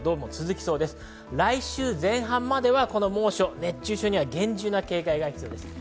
来週前半まではこの猛暑、熱中症には厳重な警戒が必要です。